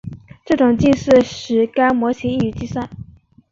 这种近似使该模型易于计算。